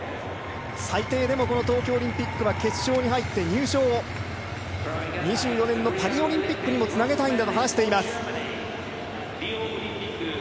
最低でもこの東京オリンピックは決勝に入って入賞を２４年のパリオリンピックにもつなげたいんだと話しています。